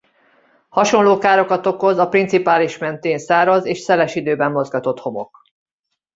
Hasonló károkat okoz a Principális mentén száraz és szeles időben mozgatott homok.